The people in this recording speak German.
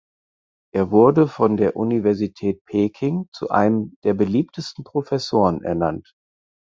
Er wurde von der Universität Peking zu einem der "beliebtesten Professoren" ernannt.